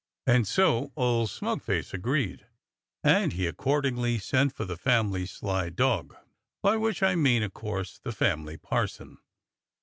And so old smug face agreed, and he accordingly sent for the family sly dog, by which I mean, o' course, the family parson.